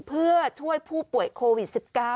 เพื่อช่วยผู้ป่วยโควิด๑๙